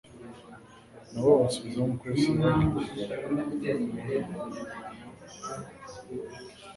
nabo babasubiza nk'uko yesu yababwiye